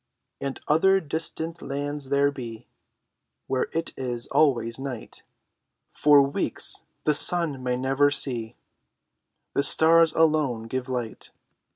And other distant lands there be Where it is always night; For weeks the sun they never see, The stars alone give light.